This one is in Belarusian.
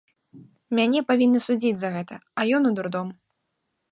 Мяне павінны судзіць за гэта, а ён у дурдом.